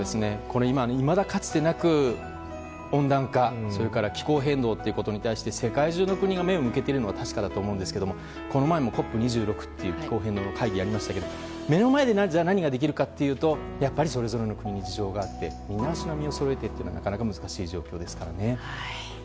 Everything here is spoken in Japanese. いまだかつてなく、温暖化それから気候変動に対して世界中の国が目を向けているのは確かだと思うんですけどこの前もＣＯＰ２６という気候変動の会議がありましたが目の前で何ができるかというとやっぱりそれぞれの国に事情があって、みんな足並みをそろえてというのはなかなか難しい状況ですからね。